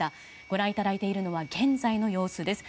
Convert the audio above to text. ご覧いただいているのは現在の様子です。